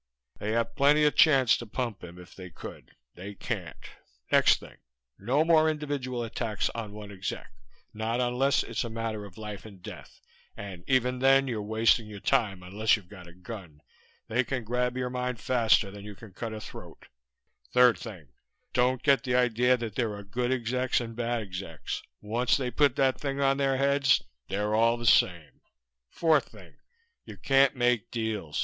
They had plenty of chance to pump him if they could. They can't. Next thing. No more individual attacks on one exec. Not unless it's a matter of life and death, and even then you're wasting your time unless you've got a gun. They can grab your mind faster than you can cut a throat. Third thing: Don't get the idea there are good execs and bad execs. Once they put that thing on their heads they're all the same. Fourth thing. You can't make deals.